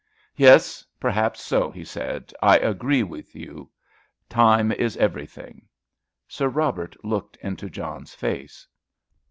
"Yes, perhaps so," he said; "I agree with you, time is everything." Sir Robert looked into John's face.